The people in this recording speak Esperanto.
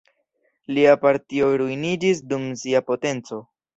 Lia partio ruiniĝis dum sia potenco.